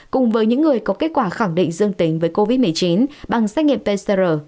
cùng với những người có kết quả khẳng định dương tính với covid một mươi chín bằng xét nghiệm pcr